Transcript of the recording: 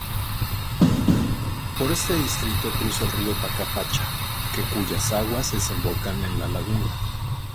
Por este distrito cruza el Río Paca-paccha que cuyas aguas desembocan en la laguna.